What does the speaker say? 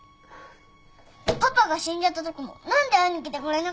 パパが死んじゃったときも何で会いに来てくれなかったの？